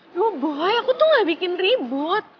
aduh bahaya aku tuh gak bikin ribut